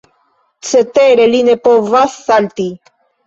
Cetere, li ne povas salti.